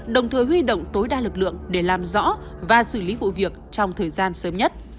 đồng thời huy động tối đa lực lượng để làm rõ và xử lý vụ việc trong thời gian sớm nhất